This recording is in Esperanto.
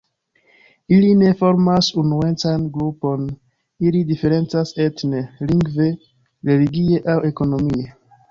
Ili ne formas unuecan grupon, ili diferencas etne, lingve, religie aŭ ekonomie.